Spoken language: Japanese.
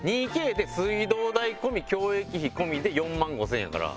２Ｋで水道代込み共益費込みで４万５０００円やから。